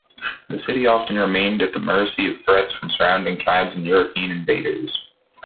The city often remained at the mercy of threats from surrounding tribes and European invaders.